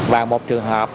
và một trường hợp